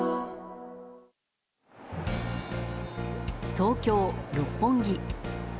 東京・六本木。